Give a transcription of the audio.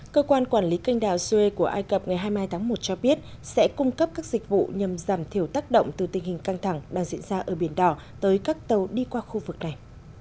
cơ quan quản lý canh đảo suê của ai cập ngày hai mươi hai tháng một cho biết sẽ cung cấp các dịch vụ nhằm giảm thiểu tác động từ tình hình căng thẳng đang diễn ra ở biển đỏ tới các tàu đi qua khu vực này